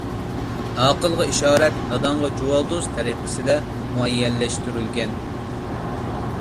ئاقىلغا ئىشارەت نادانغا جۇۋالدۇرۇز تەرىقىسىدە مۇئەييەنلەشتۈرۈلگەن.